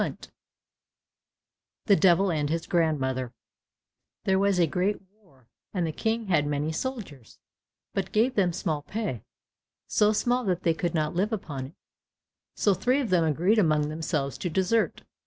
125 The Devil and his Grandmother There was a great war, and the King had many soldiers, but gave them small pay, so small that they could not live upon it, so three of them agreed among themselves to desert.